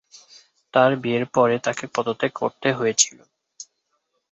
তার বিয়ের পরে তাকে পদত্যাগ করতে হয়েছিল।